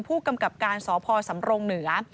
ผู้กำกับการสพสำรงเหนือ